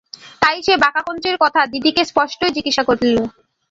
তাই সে বাঁকা-কঞ্চির কথা দিদিকে স্পষ্টই জিজ্ঞাসা করিল।